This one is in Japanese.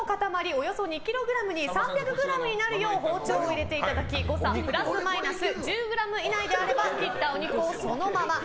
およそ２ｋｇに３００ｇになるよう包丁を入れていただき誤差プラスマイナス１０ｇ以内であれば切ったお肉をそのまま。